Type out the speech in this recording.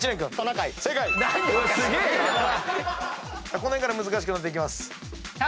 この辺から難しくなっていきます。